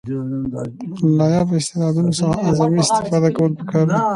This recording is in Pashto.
له نایابه استعدادونو څخه اعظمي استفاده کول پکار دي.